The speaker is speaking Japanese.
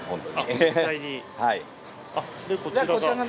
こちらが。